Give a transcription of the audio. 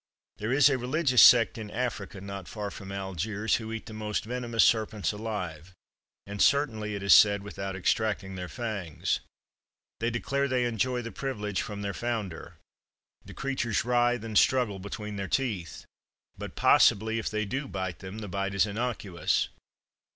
There is a religious sect in Africa, not far from Algiers, who eat the most venomous serpents alive, and certainly, it is said, without extracting their fangs. They declare they enjoy the privilege from their founder. The creatures writhe and struggle between their teeth; but possibly, if they do bite them, the bite is innocuous.